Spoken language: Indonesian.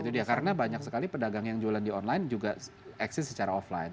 itu dia karena banyak sekali pedagang yang jualan di online juga eksis secara offline